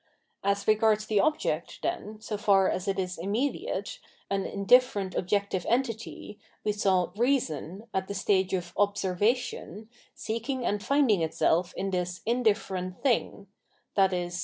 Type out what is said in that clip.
As regards the object, then, so far as it is immediate, an indifferent objective entity, we saw Reason, at the stage of "Observation," seeking and finding itself in 803 Absolute Knowledge ttis indifferent thing — ^i.e.